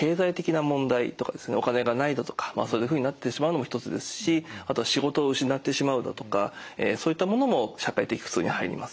お金がないだとかそういうふうになってしまうのも一つですしあと仕事を失ってしまうだとかそういったものも社会的苦痛に入ります。